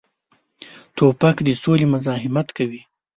توپک د سولې مزاحمت کوي.